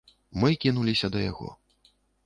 Мы кінуліся да яго.